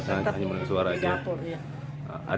anda keluar saya hanya mendengar suara itu